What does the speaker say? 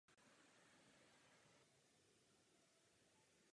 Město je Městskou památkou.